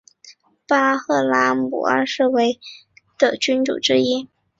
巴赫拉姆二世为伊朗波斯萨珊王朝的君主之一。